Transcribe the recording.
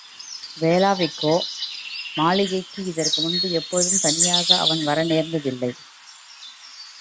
வேளாவிக்கோ மாளிகைக்கு இதற்கு முன்பு எப்போதும் தனியாக அவன் வர நேர்ந்ததில்லை.